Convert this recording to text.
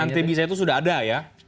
dan anti pisau itu sudah ada ya